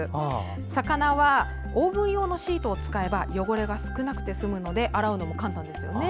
魚はオーブン用のシートを使えば汚れが少なくて済むので洗うのも簡単ですよね。